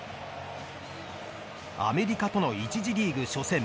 アメリカとの１次リーグ初戦。